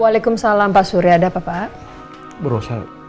waalaikumsalam pak surya ada apa apa